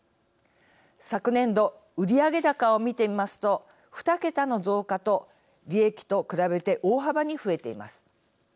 昨年度売上高を見てみますと２桁の増加と利益と比べて大幅に増えています。